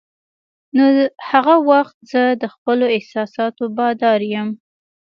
نو هغه وخت زه د خپلو احساساتو بادار یم.